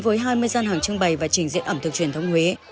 với hai mươi gian hàng trưng bày và trình diễn ẩm thực truyền thống huế